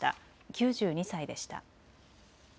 ９２歳でした。